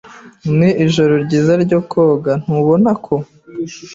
Ni ijoro ryiza ryo koga, ntubona ko?